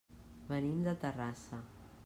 Venim de Terrassa.